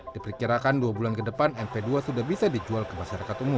diperkirakan dua bulan ke depan mv dua sudah bisa dijual ke masyarakat umum